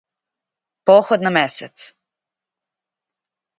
Поход на месец.